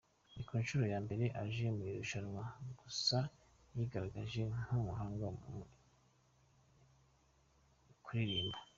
Ni ku nshuro ya mbere aje mu irushanwa gusa yigaragaje nk’umuhanga mu kuririmba.